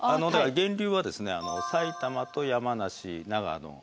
源流は埼玉と山梨長野の辺り。